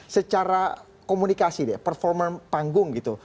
secara komunikasi deh performa panggung gitu